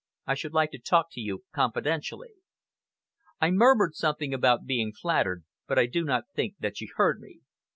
I should like to talk to you confidentially." I murmured something about being flattered, but I do not think that she heard me.